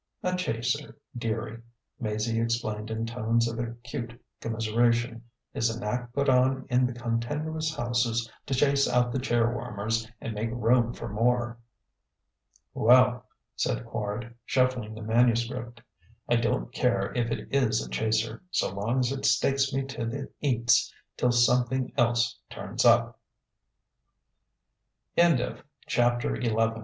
"A chaser, dearie," Maizie explained in tones of acute commiseration, "is an act put on in the continuous houses to chase out the chair warmers and make room for more." "Well," said Quard, shuffling the manuscript, "I don't care if it is a chaser, so long as it stakes me to the eats till something else turns up." XII On that day when